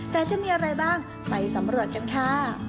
แต่จะมีอะไรบ้างไปสำรวจกันค่ะ